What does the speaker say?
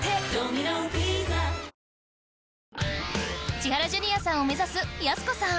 千原ジュニアさんを目指すやす子さん